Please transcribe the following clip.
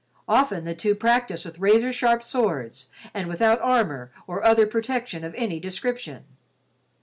Often the two practiced with razor sharp swords, and without armor or other protection of any description.